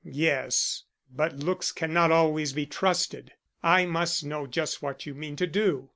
"Yes, but looks cannot always be trusted. I must know just what you mean to do.